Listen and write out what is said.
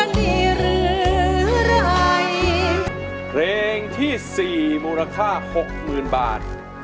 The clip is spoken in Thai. เพลงที่๔มูลค่า๖๐๐๐๐บาท